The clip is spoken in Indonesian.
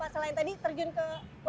selain tadi terjun ke